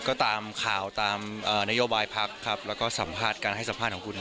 ก็ตามข่าวตามนโยบายพักครับแล้วก็สัมภาษณ์การให้สัมภาษณ์ของคุณ